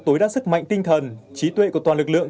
tối đa sức mạnh tinh thần trí tuệ của toàn lực lượng